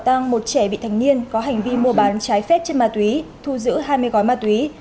tăng một trẻ bị thành niên có hành vi mua bán trái phép chất ma túy thu giữ hai mươi gói ma túy